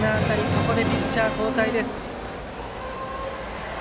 ここでピッチャー交代です。